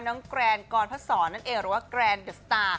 แกรนกรพระสอนนั่นเองหรือว่าแกรนเดอะสตาร์